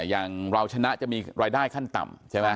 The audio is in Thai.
อย่างเราชนะจะมีรายได้ขั้นต่ำใช่ไหม